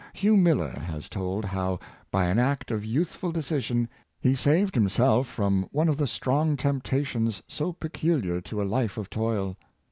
Hugh Miller has told how, by an act of youthful de cision, he saved himself from one of the strong tempta tions so peculiar to a life of toil.